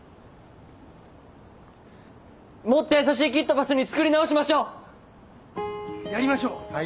もっとやさしいキットパスに作り直しましょう！やりましょう。